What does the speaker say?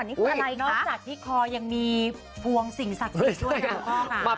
นอกจากที่คอยังมีฝวงสิ่งสักพิษด้วยครับพ่อ